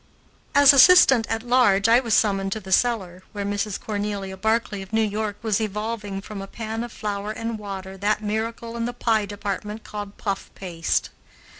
As assistant at large I was summoned to the cellar, where Mrs. Cornelia Barclay of New York was evolving from a pan of flour and water that miracle in the pie department called puff paste.